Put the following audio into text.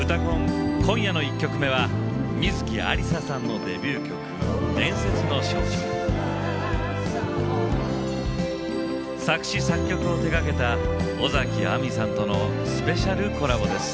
今夜の１曲目は観月ありささんのデビュー曲作詞・作曲を手がけた尾崎亜美さんとのスペシャルコラボです。